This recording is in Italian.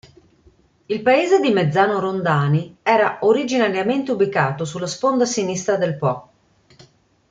Il paese di Mezzano Rondani era originariamente ubicato sulla sponda sinistra del Po.